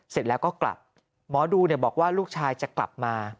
เสร็จแล้วก็กลับหมอดูบอกว่าลูกชายจะกลับมา